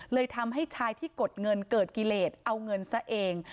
เลยทำให้ชายที่กดเงินเกิดกิเลสเอาเงินซะเอง